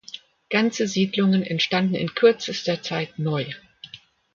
Ganze Siedlungen entstanden in kürzester Zeit neu.